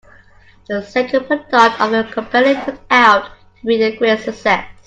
The second product of the company turned out to be a great success.